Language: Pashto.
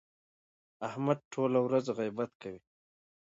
احمد ټوله ورځ غیبت کوي.